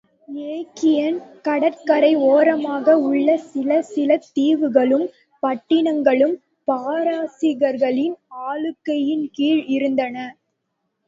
Aegean கடற்கரை ஒரமாக உள்ள சில சில தீவுகளும், பட்டினங்களும் பாரசீகர்களின் ஆளுகையின்கீழ் இருந்தன.